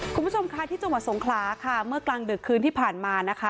คุณผู้ชมค่ะที่จังหวัดสงขลาค่ะเมื่อกลางดึกคืนที่ผ่านมานะคะ